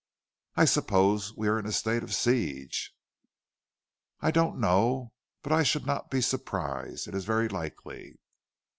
"I suppose we are in a state of siege?" "I don't know, but I should not be surprised. It is very likely."